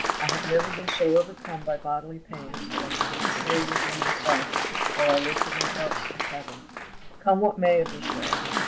I have never been so much overcome by bodily pains that I could not say within myself, while I lifted my thoughts to heaven, 'Come what may of this ray.